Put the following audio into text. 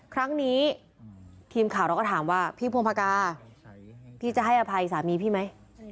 ครั้งนี้ทีมข่าวเราก็ถามว่าพี่พงภากาพี่จะให้อภัยสามีพี่ไหม